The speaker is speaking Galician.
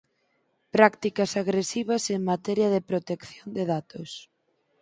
Prácticas agresivas en materia de protección de datos.